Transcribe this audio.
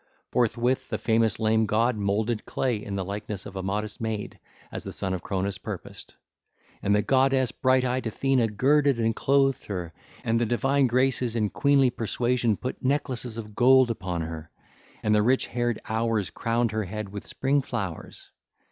Forthwith the famous Lame God moulded clay in the likeness of a modest maid, as the son of Cronos purposed. And the goddess bright eyed Athene girded and clothed her, and the divine Graces and queenly Persuasion put necklaces of gold upon her, and the rich haired Hours crowned her head with spring flowers.